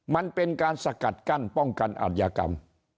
มันเป็นการสกัดกั้นป้องกันอัธยากรรม